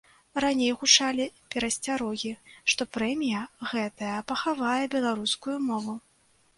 Раней гучалі перасцярогі, што прэмія гэтая пахавае беларускую мову.